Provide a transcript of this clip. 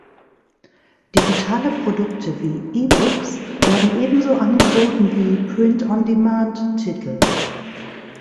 Digitale Produkte wie E-Books werden ebenso angeboten wie Print on Demand-Titel.